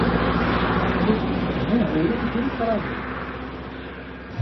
Aql-ikent deg wuguren d imeqranen.